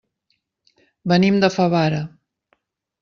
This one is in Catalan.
Venim de Favara.